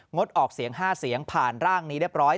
ดออกเสียง๕เสียงผ่านร่างนี้เรียบร้อย